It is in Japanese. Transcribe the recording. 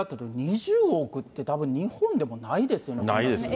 ２０億って、たぶん日本でもないですよね、この数字。